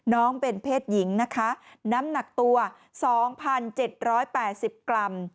น้องเป็นเพศหญิงนะคะน้ำหนักตัว๒๗๘๐กรัม